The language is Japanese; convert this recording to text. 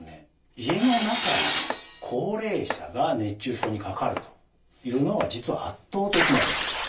家の中で高齢者が熱中症にかかるというのが実は圧倒的なんです。